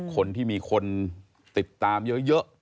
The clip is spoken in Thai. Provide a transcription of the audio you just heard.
คนที่มีคนติดตามเยอะ